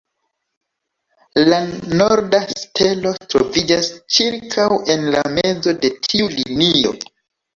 La norda stelo troviĝas ĉirkaŭ en la mezo de tiu linio.